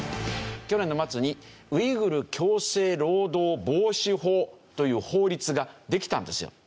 去年の末にウイグル強制労働防止法という法律ができたんですよ